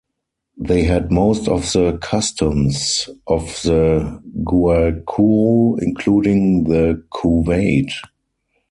They had most of the customs of the Guaycuru, including the couvade.